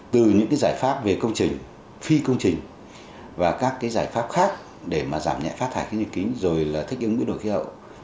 từ những cái giải pháp về công trình phi công trình và các cái giải pháp khác để mà giảm nhẹ phát thải kinh nghiệm kính rồi là thích ứng biến đổi khí hậu